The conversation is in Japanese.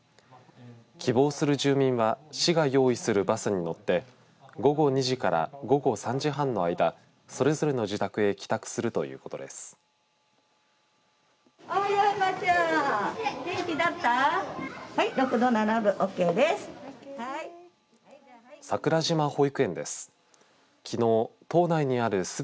希望する住民は市が用意するバスに乗って午後２時から午後３時半の間それぞれの自宅へ帰宅するということです。